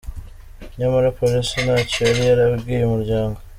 Nyamara Polisi ntacyo yari yarabwiye umuryango.